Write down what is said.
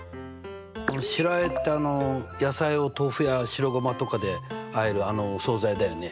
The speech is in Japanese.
白あえって野菜を豆腐や白ごまとかであえるあのお総菜だよね？